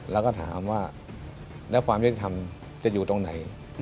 แล้วก็ถามว่าแล้วความยุติธรรมจะอยู่ตรงไหน